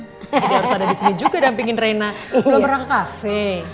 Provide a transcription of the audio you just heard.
jadi harus ada di sini juga dampingin reina belum pernah ke kafe